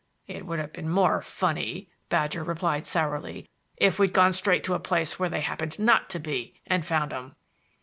"It would have been more funny," Badger replied sourly, "if we'd gone straight to a place where they happened not to be and found them."